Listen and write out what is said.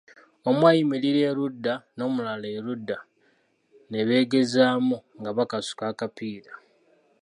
Omu ayimirira erudda n'omulala erudda ne beegezaamu nga bakasuka akapiira.